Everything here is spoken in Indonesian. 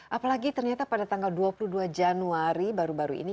apalagi ternyata pada tanggal dua puluh dua januari baru baru ini